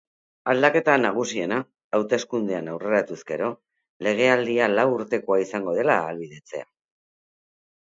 Aldaketa nagusiena, hauteskundean aurreratuz gero, legealdia lau urtekoa izango dela ahalbidetzea.